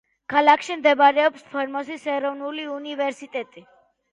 ქალაქში მდებარეობს ფორმოსის ეროვნული უნივერსიტეტი.